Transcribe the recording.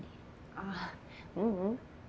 ああううん。